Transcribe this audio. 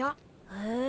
へえ。